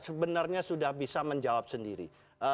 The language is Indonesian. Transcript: sebenarnya sudah bisa menjawab sendiri